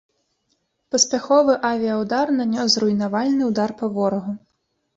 Паспяховы авіяўдар нанёс зруйнавальны ўдар па ворагу.